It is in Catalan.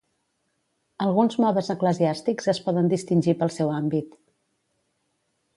Alguns modes eclesiàstics es poden distingir pel seu àmbit.